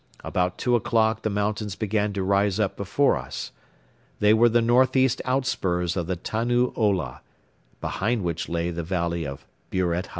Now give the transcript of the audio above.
About two o'clock the mountains began to rise up before us. They were the northeast outspurs of the Tannu Ola, behind which lay the Valley of Buret Hei.